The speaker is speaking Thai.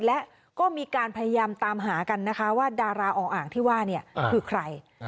และก็มีการพยายามตามหากันนะคะว่าดาราออ่างที่ว่าเนี่ยคือใคร